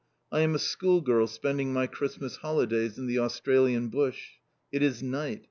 I am a schoolgirl spending my Christmas holidays in the Australian bush. It is night.